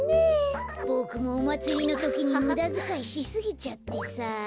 ボクもおまつりのときにむだづかいしすぎちゃってさあ。